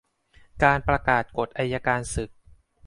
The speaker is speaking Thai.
การประกาศกฎอัยการศึก